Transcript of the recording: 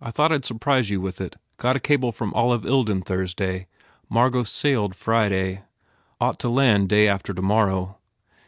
I thought I d surprise you with it. Got a cable from Olive Ilden Thursday. Mar got sailed Friday. Ought to land day after to morrow."